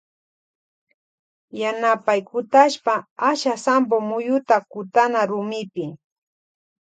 Yanapay kutashpa asha sampo muyuta kutana rumipi.